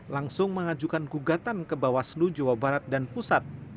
langsung mengajukan gugatan ke bawaslu jawa barat dan pusat